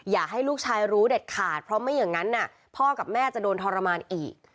อยากให้ลูกชายรู้เด็ดขาดเพราะไม่อย่างนั้นพ่อกับแม่จะโดนทรมานอีก